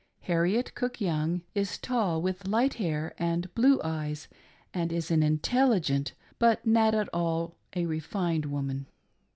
] Harriet Cook Young, is tall, with light hair and blue eyes, and is an intelligent but not at all a refined woman.